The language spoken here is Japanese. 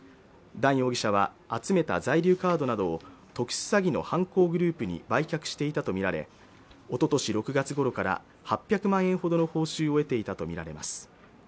ダン容疑者は集めた在留カードなど特殊詐欺の犯行グループに売却していたと見られおととし６月ごろから８００万円ほどの報酬を得ていたと見られます